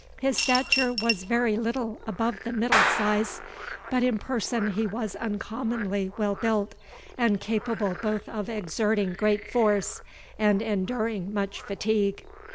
His stature was very little above the middle size, but in person he was uncommonly well built, and capable both of exerting great force, and enduring much fatigue.